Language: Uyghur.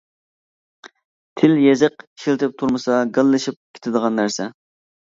تىل-يېزىق ئىشلىتىپ تۇرمىسا گاللىشىپ كېتىدىغان نەرسە.